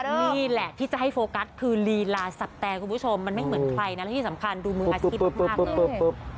นี่แหละที่จะให้โฟกัสคือลีลาสับแต่คุณผู้ชมมันไม่เหมือนใครนะและที่สำคัญดูมืออาชีพมากเลย